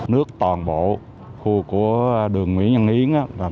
nước toàn bộ khu của đường nguyễn nhân yến